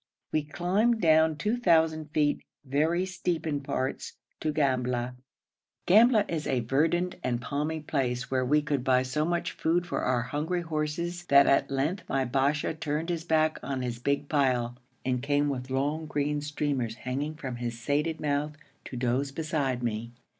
We climbed down 2,000 feet, very steep in parts, to Gambla. Gambla is a verdant and palmy place where we could buy so much food for our hungry horses that at length my Basha turned his back on his big pile, and came with long green streamers hanging from his sated mouth to doze beside me.